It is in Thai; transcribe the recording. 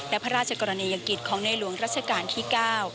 และพระราชกรณียกิจของในหลวงรัชกาลที่๙